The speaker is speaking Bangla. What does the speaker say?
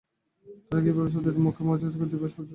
তোরা কি ভাবিস তোদের মুখুজ্যেমশায় কৃত্তিবাস ওঝার যমজ ভাই।